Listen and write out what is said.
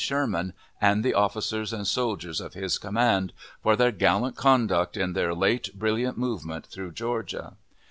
Sherman, and the officers and soldiers of his command, for their gallant conduct in their late brilliant movement through Georgia.